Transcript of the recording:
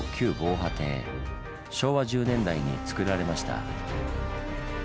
昭和１０年代につくられました。